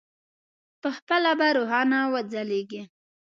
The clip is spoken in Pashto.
پخپله به روښانه وځلېږي.